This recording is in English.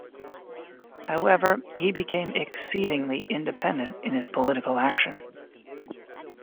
However, he became exceedingly independent in his political action.